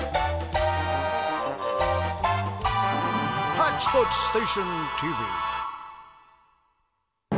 「ハッチポッチステーションＴＶ」。